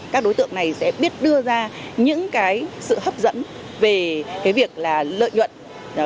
các đối tượng này sẽ biết đưa ra những cái sự hấp dẫn về cái việc là lợi nhuận